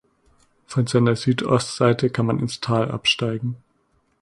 Von seiner Südostseite kann man ins Tal absteigen.